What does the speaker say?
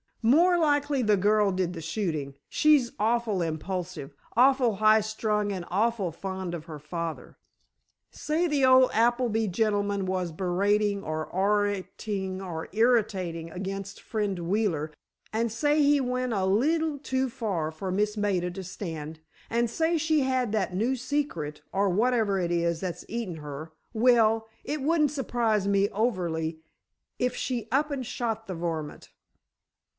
"More likely the girl did the shooting. She's awful impulsive, awful high strung and awful fond of her father. Say the old Appleby gentleman was beratin' and oratin' and iratin,' against Friend Wheeler, and say he went a leetle too far for Miss Maida to stand, and say she had that new secret, or whatever it is that's eatin' her—well, it wouldn't surprise me overly, if she up and shot the varmint."